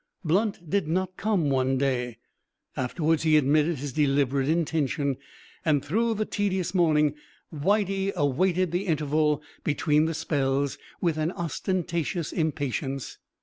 Blunt did not come one day afterwards he admitted his deliberate intention and through the tedious morning Whitey awaited the interval between the spells with an ostentatious impatience.